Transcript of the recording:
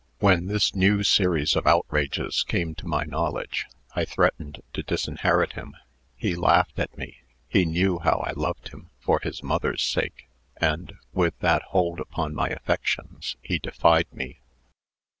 "When this new series of outrages came to my knowledge, I threatened to disinherit him. He laughed at me. He knew how I loved him for his mother's sake, and, with that hold upon my affections, he defied me.